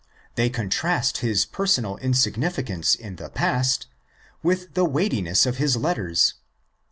They contrast his per sonal insignificance (in the past) with the weightiness of his letters (x.